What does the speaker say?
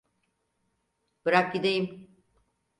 Bırak gideyim.